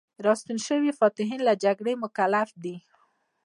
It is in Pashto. راستون شوي فاتحین له جګړې مکلف دي.